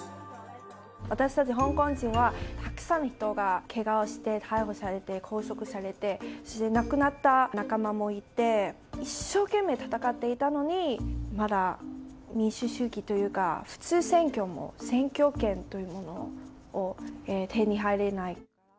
私たち香港人は、たくさんの人がけがをして、逮捕されて、拘束されて、亡くなった仲間もいて、一生懸命戦っていたのに、まだ民主主義というか、普通選挙の選挙権というものも手にはいれない。